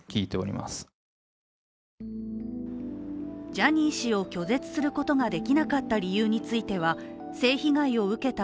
ジャニー氏を拒絶することができなかった理由については性被害を受けた